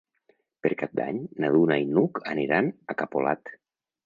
Per Cap d'Any na Duna i n'Hug aniran a Capolat.